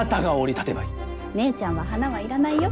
姉ちゃんは花は要らないよ。